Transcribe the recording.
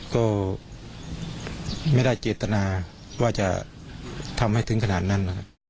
ก็ไม่ได้เจตนาว่าจะทำให้ถึงขนาดนั้นนะครับ